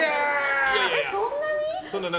そんなに？